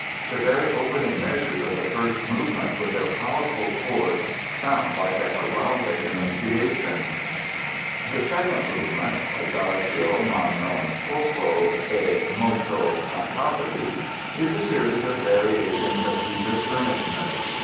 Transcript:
The very opening measures of the first movement with their powerful chords sound like a heraldic annunciation. The second movement, ("Adagio ma non troppo e molto cantabile") is a series of variations of deepest earnestness.